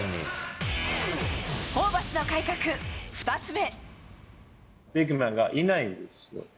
ホーバスの改革、２つ目。